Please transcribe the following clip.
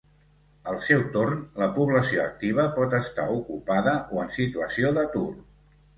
Al seu torn, la població activa pot estar ocupada o en situació d'atur.